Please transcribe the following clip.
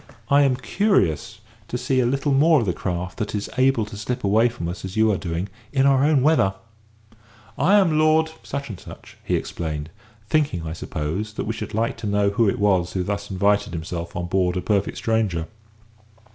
I am curious to see a little more of the craft that is able to slip away from us as you are doing, in our own weather. I am Lord ," he explained, thinking, I suppose, that we should like to know who it was who thus invited himself on board a perfect stranger.